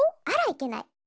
あらいけない！